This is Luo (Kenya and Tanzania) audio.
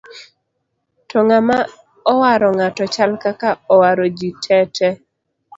to ng'ama owaro ng'ato chal kaka owaro ji te te